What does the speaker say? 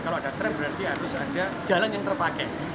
kalau ada tram berarti harus ada jalan yang terpakai